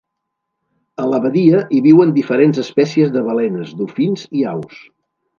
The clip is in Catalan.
A la badia hi viuen diferents espècies de balenes, dofins i aus.